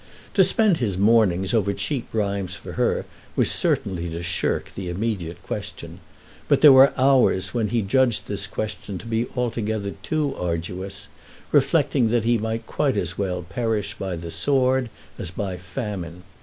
To spend his mornings over cheap rhymes for her was certainly to shirk the immediate question; but there were hours when he judged this question to be altogether too arduous, reflecting that he might quite as well perish by the sword as by famine.